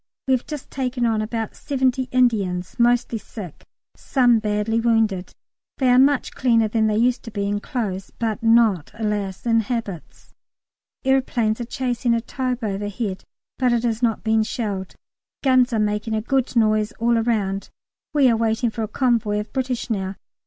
We have just taken on about seventy Indians, mostly sick, some badly wounded. They are much cleaner than they used to be, in clothes, but not, alas! in habits. Aeroplanes are chasing a Taube overhead, but it is not being shelled. Guns are making a good noise all round. We are waiting for a convoy of British now.